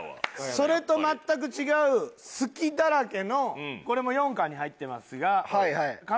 それと全く違うこれも４巻に入ってますが。